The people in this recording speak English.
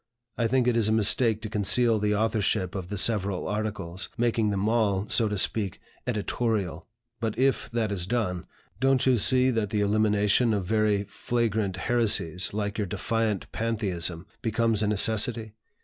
I think it is a mistake to conceal the authorship of the several articles, making them all (so to speak) editorial; but if that is done, don't you see that the elimination of very flagrant heresies (like your defiant Pantheism) becomes a necessity?